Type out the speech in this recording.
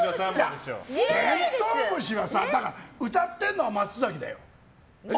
「てんとう虫」は歌ってるのは松崎だよ。